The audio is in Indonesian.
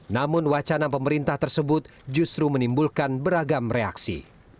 namun wacana pemerintah tersebut justru menimbulkan beragam reaksi